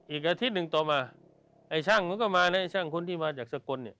อีกอาทิตย์หนึ่งต่อมาคนที่มาจากสกล